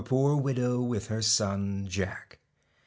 E poor widow with her son Jack.